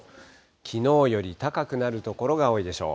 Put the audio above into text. きのうより高くなる所が多いでしょう。